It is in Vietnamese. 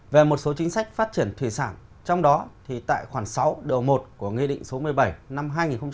về một số chính sách phát triển thủy sản trong đó thì tại khoảng sáu đầu một của nghị định số một mươi bảy năm hai nghìn một mươi bảy